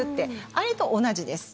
あれと同じです。